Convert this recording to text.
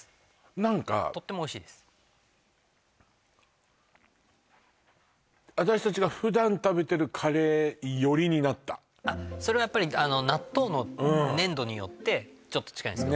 何かとってもおいしいです私たちが普段食べてるカレー寄りになったそれはやっぱり納豆の粘度によってちょっと近いんですよ